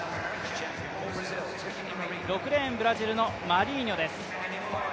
６レーン、ブラジルのマリーニョです。